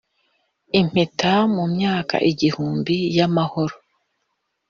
impeta mumyaka igihumbi y'amahoro.